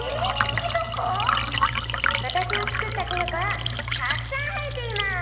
わたしのつくったキノコはたくさんはえています！